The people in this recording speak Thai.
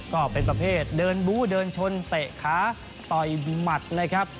ก็เป็นประเภทเดินบู้เดินชนเตะขาต่อยหมัดเลยครับ